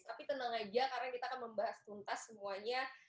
tapi tenang aja karena kita akan membahas tuntas semuanya